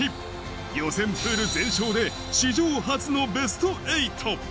予選プール全勝で史上初のベスト８。